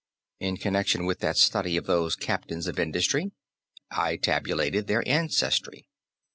In connection with that study of those captains of industry, I tabulated their ancestry.